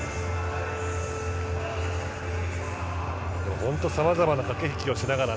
本当さまざまな駆け引きをしながら。